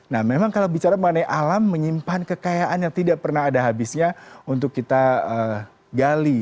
nah memang kalau bicara mengenai alam menyimpan kekayaan yang tidak pernah ada habisnya untuk kita gali